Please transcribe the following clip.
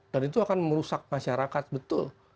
dan itu akan merusak masyarakat betul